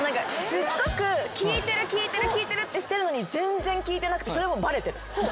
すっごく聞いてる聞いてる聞いてるってしてるのに全然聞いてなくてそれもバレてる。